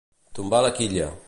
Tombar de quilla.